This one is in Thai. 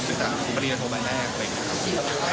แต่ตอนปริยาโทรแบบแรกเลยนะครับ